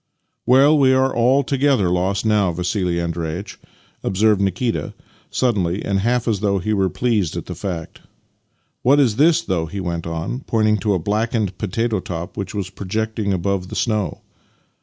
" Well, we are altogether lost now, Vassili Andreitch," obser\7ed Nikita, suddenly, and half as though he were pleased at the fact. " What is this, though? " he went on, pointing to a blackened potato top which was projecting above the snow.